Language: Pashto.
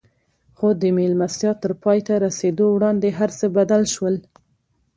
خو د مېلمستيا تر پای ته رسېدو وړاندې هر څه بدل شول.